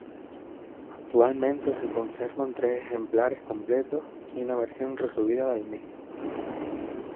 Actualmente se conservan tres ejemplares completos y una versión resumida del mismo.